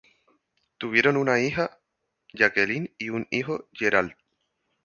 Tuvieron una hija, Jacqueline, y un hijo, Gerald.